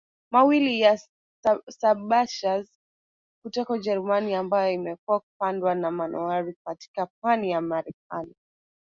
mawili ya saboteurs kutoka Ujerumani ambayo imekuwa kupandwa na manowari katika pwani ya Marekani